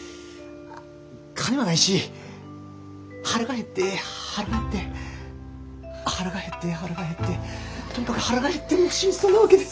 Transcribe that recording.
金はないし腹が減って腹が減って腹が減って腹が減ってとにかく腹が減ってもう死にそうなわけで。